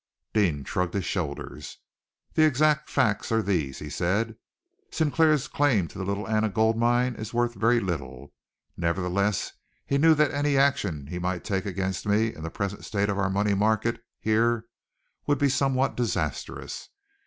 Deane shrugged his shoulders. "The exact facts are these," he said. "Sinclair's claim to the Little Anna Gold Mine is worth very little. Nevertheless, he knew that any action he might take against me in the present state of our money market here would be somewhat disastrous.